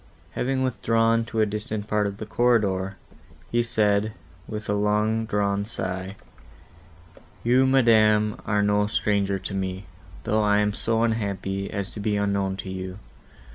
—Having withdrawn to a distant part of the corridor, he said, with a long drawn sigh, "You, madam, are no stranger to me, though I am so unhappy as to be unknown to you.